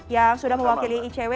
yang sudah mewakili icw